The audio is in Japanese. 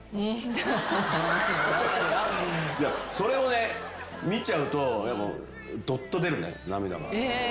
それをね見ちゃうとどっと出るね涙が。